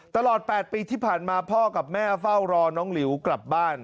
ตลอด๘ปีที่ผ่านมาพ่อกับแม่เฝ้ารอน้องหลิวกลับบ้าน